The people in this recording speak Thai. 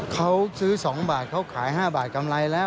เขาซื้อ๒บาทเขาขาย๕บาทกำไรแล้ว